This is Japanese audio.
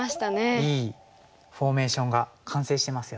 いいフォーメーションが完成してますよね。